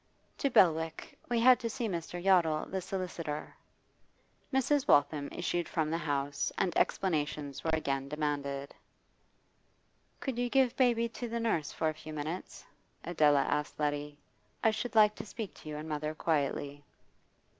'To Belwick. We had to see Mr. Yottle, the solicitor.' Mrs. Waltham issued from the house, and explanations were again demanded. 'Could you give baby to the nurse for a few minutes?' Adela asked Letty. 'I should like to speak to you and mother quietly.